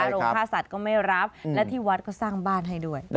โรงค่าสัตว์ก็ไม่รับและที่วัดก็สร้างบ้านให้ด้วย